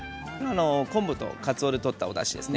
昆布とかつおで取ったおだしですね。